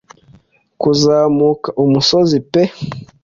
Kuzamuka umusozi pe